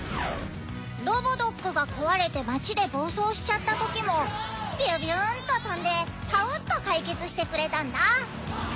ロボドッグが壊れて街で暴走しちゃったときもビュビューンと飛んでパウっと解決してくれたんだ。